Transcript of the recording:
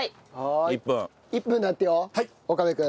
１分だってよ岡部君。